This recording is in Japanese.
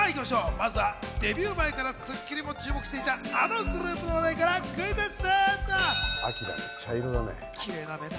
まずはデビュー前から『スッキリ』も注目していたあのグループの話題からクイズッス。